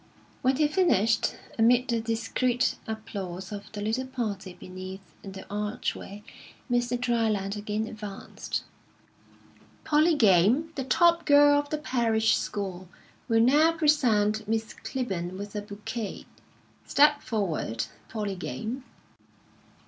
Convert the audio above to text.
_" When he finished, amid the discreet applause of the little party beneath the archway, Mr. Dryland again advanced. "Polly Game, the top girl of the Parish School, will now present Miss Clibborn with a bouquet. Step forward, Polly Game."